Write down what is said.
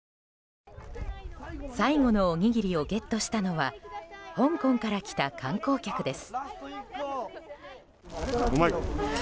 最後のおにぎりをゲットしたのは香港から来た観光客です。